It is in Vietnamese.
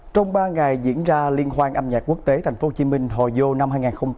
trong ba ngày diễn ra liên hoan âm nhạc quốc tế tp hcm hồi vô năm hai nghìn hai mươi ba